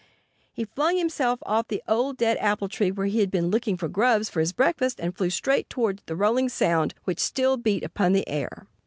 He flung himself off the old, dead apple tree where he had been looking for grubs for his breakfast and flew straight towards the rolling sound which still beat upon the air.